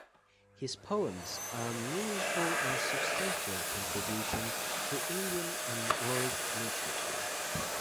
His poems are a meaningful and substantial contribution to Indian and World literature.